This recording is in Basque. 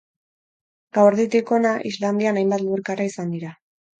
Gauerditik ona Islandian hainbat lurrikara izan dira.